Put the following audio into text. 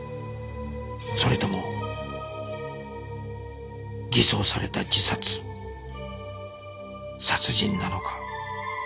それとも偽装された自殺殺人なのか